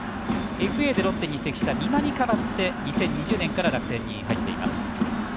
ＦＡでロッテに移籍し２０２０年から楽天に入っています。